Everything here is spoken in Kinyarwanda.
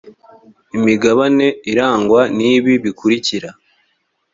imigabane irangwa n ibi bikurikira